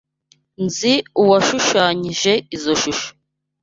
Nzi uwashushanyije izoi shusho.